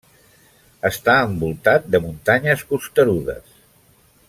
Està envoltat de muntanyes costerudes.